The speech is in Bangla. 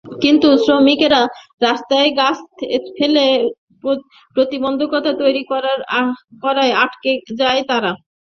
কিন্তু শ্রমিকেরা রাস্তায় গাছ ফেলে প্রতিবন্ধকতা তৈরি করায় আটকে যায় তারা।